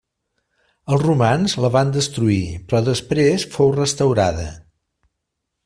Els romans la van destruir però després fou restaurada.